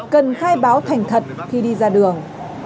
cần khai báo thành thật khi đi ra đường